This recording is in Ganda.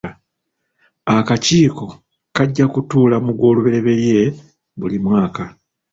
Akakiiko kajja kutuula mu Gwolubereberye buli mwaka.